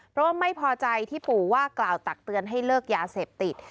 เพราะว่าไม่พอใจที่ปู่ว่ากล่าวตักเตือนให้เลิกยาเสพติด